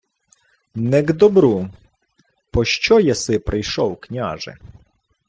— Не к добру... Пощо єси прийшов, княже?